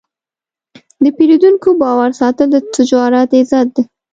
د پیرودونکي باور ساتل د تجارت عزت دی.